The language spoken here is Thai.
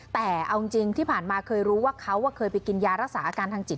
แต่เอาจริงที่ผ่านมาเคยรู้ว่าเขาเคยไปกินยารักษาอาการทางจิต